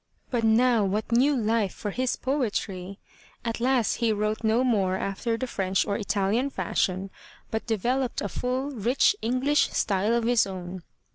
But now what new life for his poetry ! At last he wrote no more after the French or Italian fashion but developed a full, rich English style of his own.